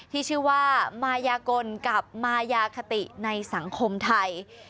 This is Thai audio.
ที่ชื่อว่ามายากลกับมายาคติในสังคมไทย